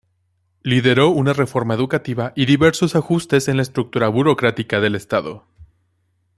Lideró una reforma educativa y diversos ajustes en la estructura burocrática del Estado.